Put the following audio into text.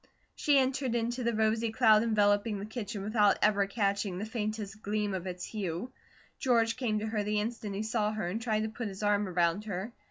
She entered into the rosy cloud enveloping the kitchen without ever catching the faintest gleam of its hue. George came to her the instant he saw her and tried to put his arm around her.